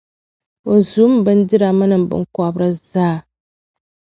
o zu m bindira mini m binkparisi zaa.